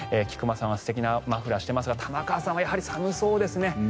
菊間さんは素敵なマフラーをしていますが玉川さんはやはり寒そうですね。